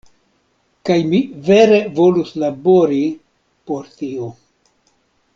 Kaj mi vere volus labori por tio.